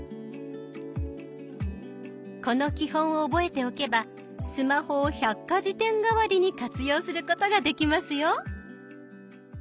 この基本を覚えておけばスマホを百科事典代わりに活用することができますよ。